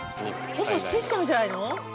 ほぼ着いちゃうんじゃないの？